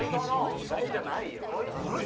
意外じゃないよ。